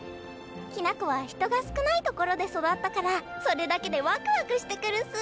きな子は人が少ないところで育ったからそれだけでワクワクしてくるっす。